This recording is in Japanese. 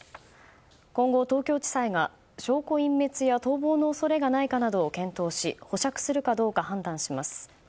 今後、東京地裁が証拠隠滅や逃亡の恐れがないかなどを検討し保釈するかどうか判断します。